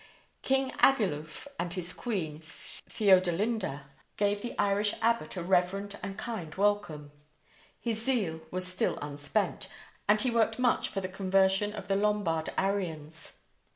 King Agilulph and his queen, Theodelinda, gave the Irish abbot a reverent and kind welcome. His zeal was still unspent, and he worked much for the conversion of the Lombard Arians.